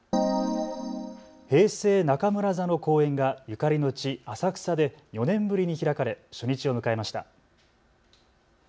平成中村座の公演がゆかりの地、浅草で４年ぶりに開かれ初日を迎えました。